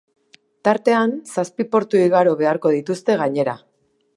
Tartean, zazpi portu igaro beharko dituzte gainera.